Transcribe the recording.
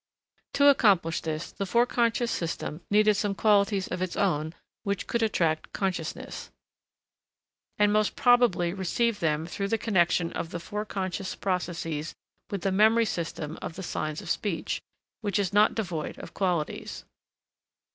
To accomplish this the Forec. system needed some qualities of its own which could attract consciousness, and most probably received them through the connection of the foreconscious processes with the memory system of the signs of speech, which is not devoid of qualities.